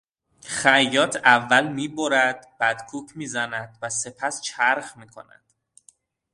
خیاط اول میبرد بعد کوک میزند وسپس چرخ میکند.